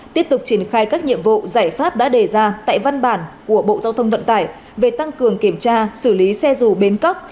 tiếp tục triển khai các nhiệm vụ giải pháp đã đề ra tại văn bản của bộ giao thông vận tải về tăng cường kiểm tra xử lý xe dù bến cóc